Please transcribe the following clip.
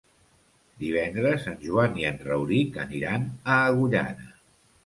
Divendres en Joan i en Rauric aniran a Agullana.